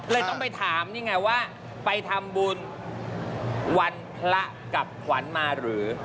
ต้องไปถามนี่ไงว่าไปทำบุญวันพระกับขวัญมาหรือ